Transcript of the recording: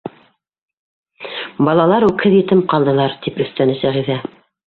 Балалар үкһеҙ етем ҡалдылар, — тип өҫтәне Сәғиҙә.